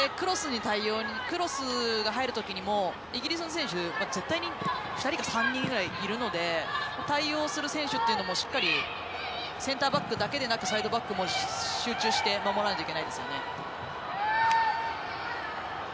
クロスが入るときに、もうイギリスの選手が絶対に２人か３人ぐらいいるので対応する選手というのはしっかりセンターバックだけではなくサイドバックも集中して守らないといけないですよね。